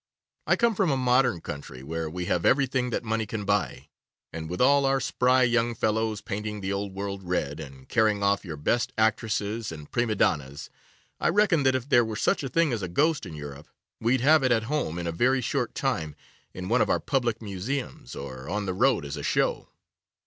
I come from a modern country, where we have everything that money can buy; and with all our spry young fellows painting the Old World red, and carrying off your best actresses and prima donnas, I reckon that if there were such a thing as a ghost in Europe, we'd have it at home in a very short time in one of our public museums, or on the road as a show.